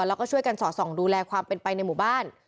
แล้วก็ช่วยกันสอดส่องดูแลความเป็นไปในหมู่บ้าน